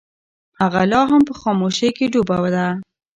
هغه لا هم په خاموشۍ کې ډوبه ده.